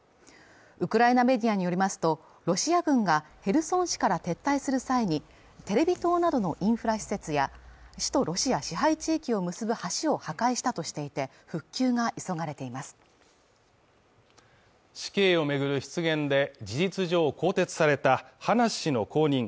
ウクライナメディアによりますとロシア軍がヘルソン市から撤退する際にテレビ塔などのインフラ施設や市とロシア支配地域を結ぶ橋を破壊したとしていて復旧が急がれています死刑をめぐる失言で事実上更迭された話の後任